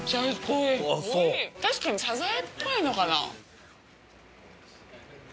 おいしい確かにサザエっぽいのかな？